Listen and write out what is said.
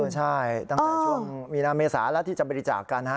ใช่ตั้งแต่ช่วงมีนาเมษาแล้วที่จะบริจาคกัน